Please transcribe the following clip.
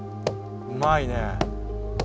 うまいね。